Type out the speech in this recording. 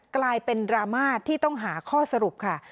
กลายเป็นดราม่าที่ต้องหาข้อสรุปค่ะ